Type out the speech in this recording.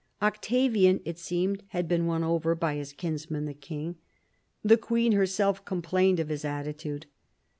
Octavian, it seemed, had been won over by his kinsman, the king. The queen herself complained of his attitude.